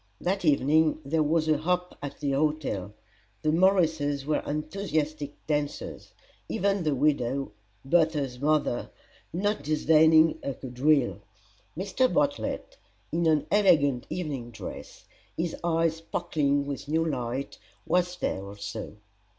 That evening there was a hop at the hotel. The Morrises were enthusiastic dancers even the widow, Bertha's mother, not disdaining a quadrille. Mr. Bartlett, in an elegant evening dress, his eyes sparkling with new light, was there also.